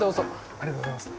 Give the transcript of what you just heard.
ありがとうございます。